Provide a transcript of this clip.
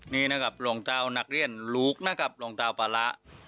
นี่นะครับหลวงเจ้านักเรียนลูกนะครับหลวงตาปาระ